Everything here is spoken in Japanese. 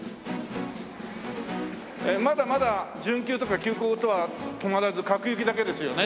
まだまだ準急とか急行とかは止まらず各駅だけですよね？